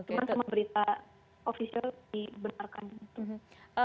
cuma sama berita official dibenarkan gitu